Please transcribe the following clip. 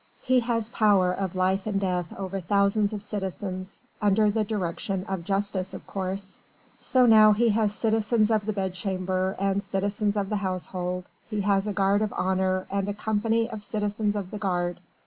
He has power of life and death over thousands of citizens under the direction of justice, of course! So now he has citizens of the bedchamber, and citizens of the household, he has a guard of honour and a company of citizens of the guard.